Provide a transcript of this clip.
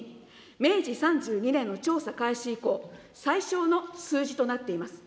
明治３２年の調査開始以降、最小の数字となっています。